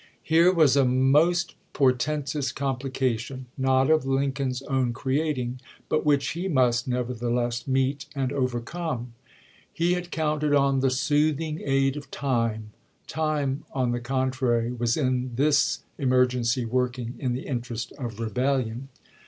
Here was a most portentous complication, not of Lincoln's own creating, but which he must nevertheless meet and overcome. He had counted on the soothing aid of time ; time, on the contrary, was in this emergency working in the interest of rebellion.